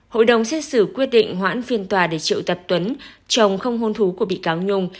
hội đồng xét xử quyết định hoãn phiên tòa để triệu tập tuấn chồng không hôn thú của bị cáo nhung